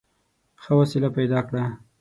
ښه وسیله پیدا کړه.